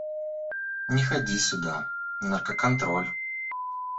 Не ходи сюда, наркоконтролль!